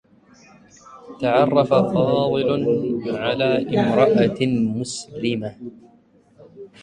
تعرّف فاضل على امرأة مسلمة.